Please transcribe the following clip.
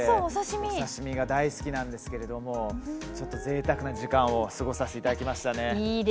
お刺身が大好きなんですけれどもちょっと、ぜいたくな時間を過ごさせていただきました。